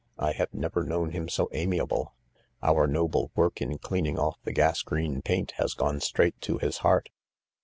I have never known him so ami able. Our noble work in cleaning off the gas green paint has gone straight to his heart.